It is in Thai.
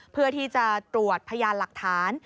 เพื่อที่จะตรวจพยานหลักฐาน